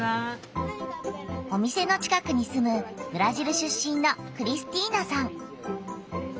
お店の近くに住むブラジル出身のクリスティーナさん。